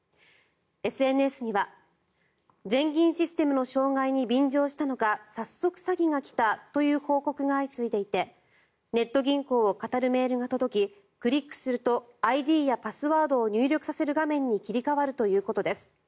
ＳＮＳには全銀システムの障害に便乗したのか早速、詐欺が来たという報告が相次いでいてネット銀行をかたるメールが届きクリックするとＩＤやパスワードを入力させる画面に切り替わるということです。